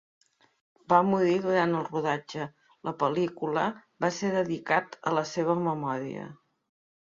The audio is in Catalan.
Va morir durant el rodatge, la pel·lícula va ser dedicat a la seva memòria.